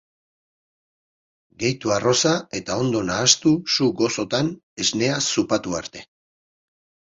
Gehitu arroza eta ondo nahastu su gozotan esnea zupatu arte.